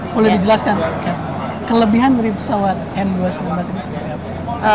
boleh dijelaskan kelebihan dari pesawat n dua ratus sembilan belas ini seperti apa